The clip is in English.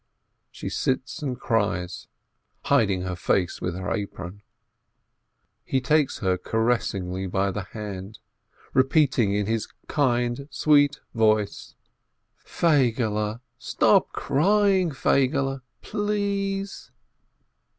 She sits and cries, hiding her face with her apron. He takes her caressingly by the hands, repeating in his kind, sweet voice, "Feigele, stop crying, Feigele, please